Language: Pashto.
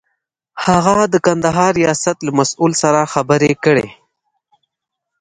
هغه د کندهار ریاست له مسئول سره خبرې کړې.